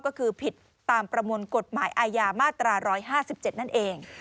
ก็คือผิดตามประมวลกฎหมายอาญามาตรา๑๕๗นั่นเอง